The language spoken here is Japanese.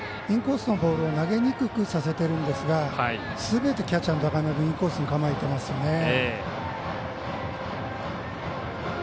インコースのボールを投げにくくされているんですがすべてキャッチャーの高山君インコースに構えていますよね。